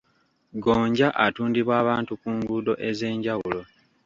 Gonja atundibwa abantu ku nguudo ez'enjawulo